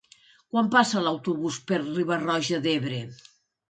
Quan passa l'autobús per Riba-roja d'Ebre?